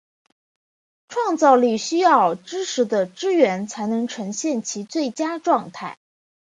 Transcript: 创造力需要知识的支援才能呈现其最佳状态。